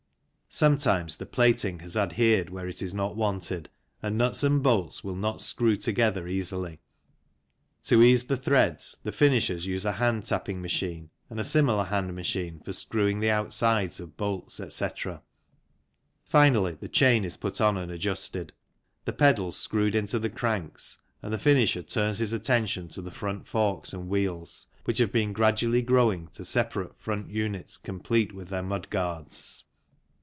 Sometimes the plating has adhered where it is not wanted, and nuts and bolts will not screw together easily. To ease the threads the finishers use a hand tapping machine, and a similar hand machine for screwing the outsides of bolts, etc. Finally, the chain is put on and adjusted, the pedals screwed into the cranks, and the finisher turns his atten tion to the front forks and wheels, which have been gradually growing to separate front units complete with their mudguards.